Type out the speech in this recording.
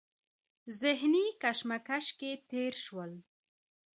ذهني کشمکش کې تېر شول.